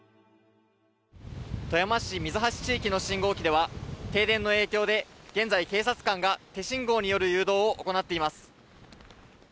富山市水橋地域の信号機では、停電の影響で現在、警察官が手信号による誘導を行っています。